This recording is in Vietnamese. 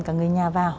cả người nhà vào